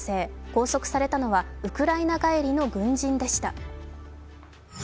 拘束されたのはウクライナ帰りの軍人でした。